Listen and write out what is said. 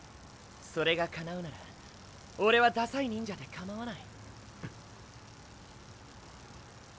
それがかなうならオレはダサい「忍者」でかまわない。